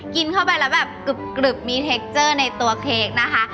กินเข้าไปแล้วแบบกรึบมีเทคเจอร์ในตัวเค้กนะคะ